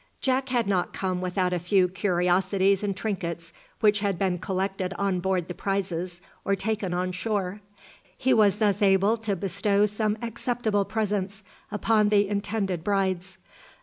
Jack had not come without a few curiosities and trinkets which had been collected on board the prizes, or taken on shore. He was thus able to bestow some acceptable presents upon the intended brides.